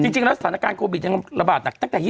จริงแล้วสถานการณ์โควิดยังระบาดหนักตั้งแต่๒๐